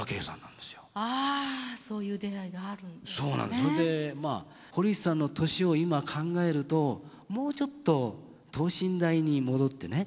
それでまあ「堀内さんの年を今考えるともうちょっと等身大に戻ってね